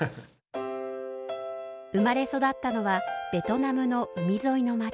生まれ育ったのはベトナムの海沿いの町。